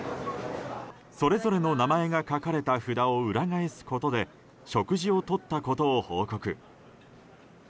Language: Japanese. それぞれの名前が書かれた札を裏返すことで食事をとったことを報告。